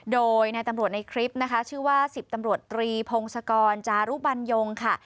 โดยนายตำรวจในคลิปนะคะชื่อว่า๑๐ตำรวจตรีพงศกรจารุบรรยงค่ะ